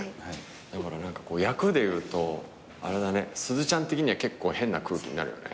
だから何かこう役でいうとすずちゃん的には結構変な空気になるよね。